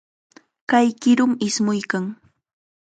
Kay qirum ismuykan.